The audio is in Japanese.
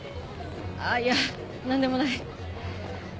あいや何でもない。